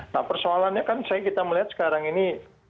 nah persoalannya kan kita melihat sekarang ini